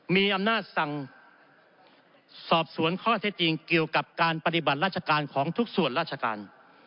มีอำนาจสั่งสอบสวนข้อเท็จจริงเกี่ยวกับการปฏิบัติราชการของทุกส่วนราชการ